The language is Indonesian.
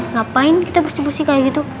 ngapain kita bersih bersih kayak gitu